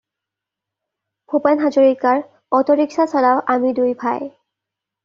ভূপেন হাজৰিকাৰ "অটোৰিক্সা চলাও আমি দুই ভাই"